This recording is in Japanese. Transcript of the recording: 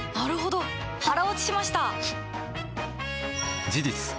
腹落ちしました！